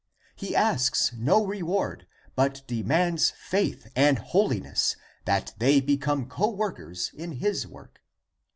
He asks no reward, but demands faith and holiness that they become coworkers in his work.